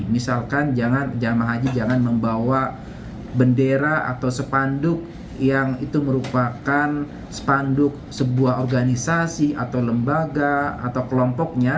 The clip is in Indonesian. misalkan jemaah haji jangan membawa bendera atau sepanduk yang itu merupakan spanduk sebuah organisasi atau lembaga atau kelompoknya